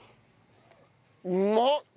うまっ！